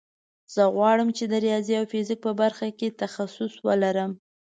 زه غواړم چې د ریاضي او فزیک په برخه کې تخصص ولرم